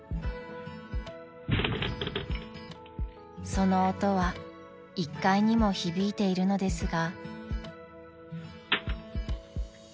・［その音は１階にも響いているのですが］